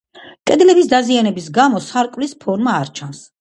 კედლების დაზიანების გამო სარკმლის ფორმა არ ჩანს.